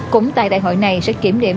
cũng tại đại hội này sẽ kiểm điểm